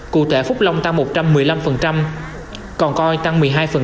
cụ thể phúc long tăng một trăm một mươi năm còn coi tăng một mươi hai